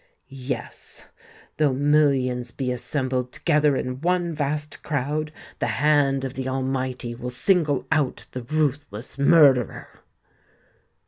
Yes—though millions be assembled together in one vast crowd, the hand of the Almighty will single out the ruthless murderer!"